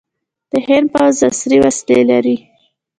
د هند پوځ عصري وسلې لري.